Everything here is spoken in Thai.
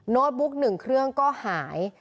บุ๊ก๑เครื่องก็หาย